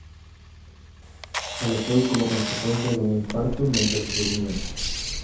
Faleceu como consecuencia dun infarto mentres durmía.